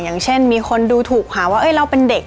อย่างเช่นมีคนดูถูกหาว่าเราเป็นเด็ก